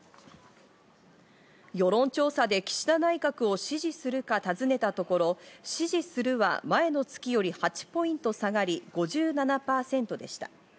世論調査で岸田内閣を支持するかたずねたところ、支持するは前の月より８ポイント下がり、５７％でした。